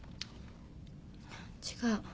違う。